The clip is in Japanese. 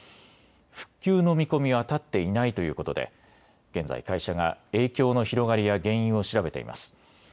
復旧の見込みは立っていないということで現在、会社が影響の広がりや原因を調べています。